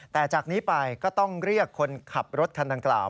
แต่จากนี้ไปก็ต้องเรียกคนขับรถคันดังกล่าว